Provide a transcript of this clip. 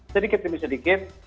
sedikit demi sedikit